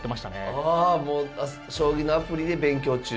あ将棋のアプリで勉強中。